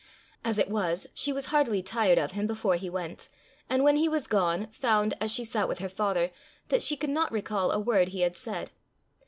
As it was, she was heartily tired of him before he went, and when he was gone, found, as she sat with her father, that she could not recall a word he had said.